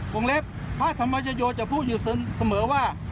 วงเล็บพระธรรมชโยจะพูดอยู่เสมอว่า